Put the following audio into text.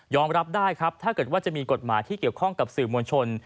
รับได้ครับถ้าเกิดว่าจะมีกฎหมายที่เกี่ยวข้องกับสื่อมวลชน